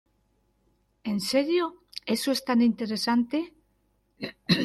¿ En serio? Eso es tan interesante.